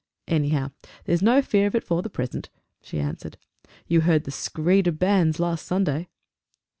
"Anyhow there's no fear of it for the present!" she answered. "You heard the screed of banns last Sunday!"